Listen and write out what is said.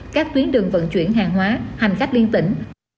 các tuyến đường vận chuyển hàng hóa hành khách liên tỉnh